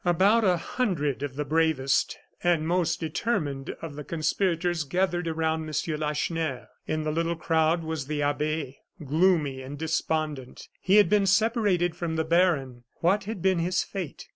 About a hundred of the bravest and most determined of the conspirators gathered around M. Lacheneur. In the little crowd was the abbe, gloomy and despondent. He had been separated from the baron. What had been his fate?